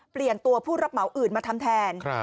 เปลี่ยนตัวผู้รับเหมาอื่นมาทำแทน